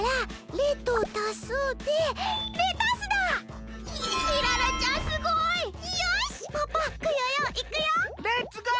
レッツゴー！